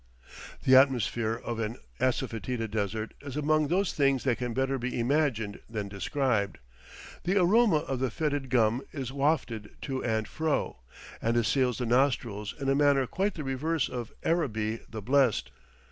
The atmosphere of an assafoetida desert is among those things that can better be imagined than described; the aroma of the fetid gum is wafted to and fro, and assails the nostrils in a manner quite the reverse of "Araby the blest."